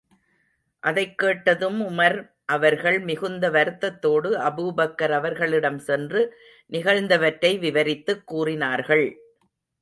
அதைக் கேட்டதும் உமர் அவர்கள் மிகுந்த வருத்தத்தோடு, அபூபக்கர் அவர்களிடம் சென்று நிகழ்ந்தவற்றை விவரித்துக் கூறினார்கள்!